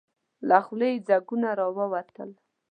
له خولې يې ځګونه راووتل.